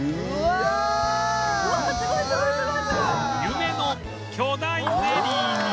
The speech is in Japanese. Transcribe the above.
夢の巨大ゼリーに